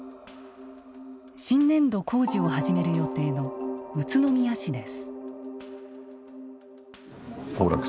新年度、工事を始める予定の宇都宮市です。